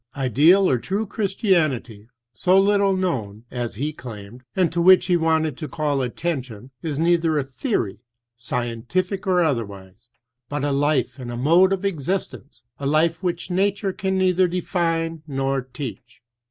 Ideal or true Chrisdanity, so little known, as he claimed, and to which he wanted to call attention, is neither a theory, scientific or otherwise, but a life and a mode of existence ; a life which nature can neither define nor teach.